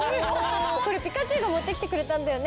これピカチュウが持ってきてくれたんだよね。